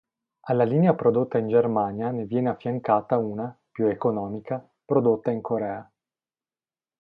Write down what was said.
Alla linea prodotta in Germania ne viene affiancata una, più economica, prodotta in Corea.